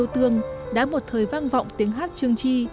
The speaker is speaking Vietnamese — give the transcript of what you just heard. hát lý thương đã một thời vang vọng tiếng hát trương chi